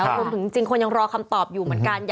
รวมถึงจริงคนยังรอคำตอบอยู่เหมือนกัน